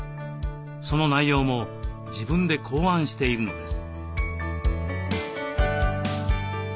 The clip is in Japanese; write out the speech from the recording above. その内容も自分で考案しているのです。